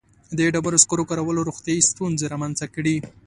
• د ډبرو سکرو کارولو روغتیایي ستونزې رامنځته کړې.